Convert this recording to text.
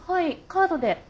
カードで。